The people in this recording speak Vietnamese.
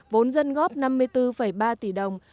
vốn dân góp năm mươi bốn ba tỷ đồng